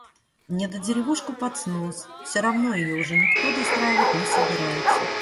Недодеревушку под снос. Все равно ее уже никто достраивать не собирается.